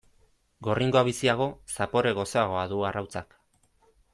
Gorringoa biziago, zapore gozoagoa du arrautzak.